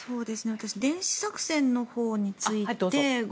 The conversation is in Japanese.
電子作戦のほうについて。